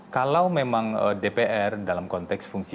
kalau memang dpr dalam konteks fungsi